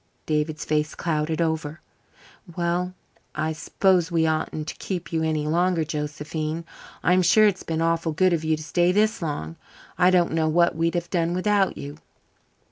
David's face clouded over. "Well, I s'pose we oughtn't to keep you any longer, Josephine. I'm sure it's been awful good of you to stay this long. I don't know what we'd have done without you."